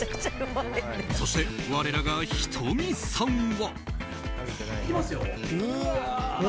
そして我らが仁美さんは。